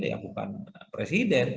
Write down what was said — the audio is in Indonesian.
ya bukan presiden